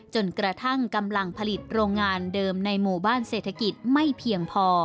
จนกระทั่งกำลังผลิตโรงงานเดิมในหมู่บ้านเศรษฐกิจไม่เพียงพอ